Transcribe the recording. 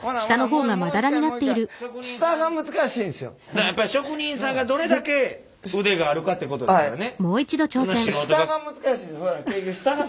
だからやっぱり職人さんがどれだけ腕があるかってことですよね。